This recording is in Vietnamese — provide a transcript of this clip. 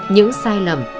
những sai lầm